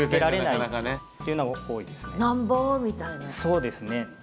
そうですね。